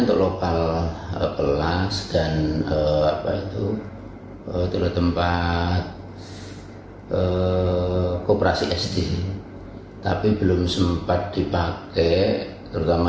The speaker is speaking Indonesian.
untuk lokal pelas dan apa itu ketua tempat eh kooperasi sd tapi belum sempat dipakai terutama